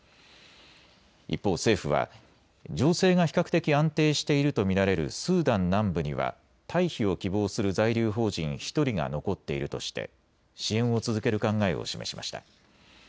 一方、政府は情勢が比較的安定していると見られるスーダン南部には退避を希望する在留邦人１人が残っているとして支援を続ける考えを示しました。